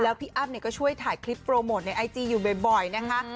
พี่อ้ำก็ช่วยถ่ายคลิปโปรโมทในไอจีอยู่บ่อยนะคะ